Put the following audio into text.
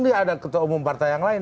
dia ada ketua umum partai yang lain